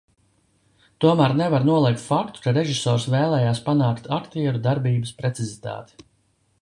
Tomēr nevar noliegt faktu, ka režisors vēlējās panākt aktieru darbības precizitāti.